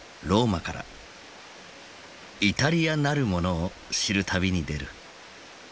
ローマから「イタリアなるもの」を知る旅に出る。